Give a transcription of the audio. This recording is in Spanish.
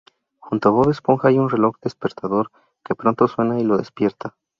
Junto a Bob Esponja hay un reloj despertador, que pronto suena y lo despierta.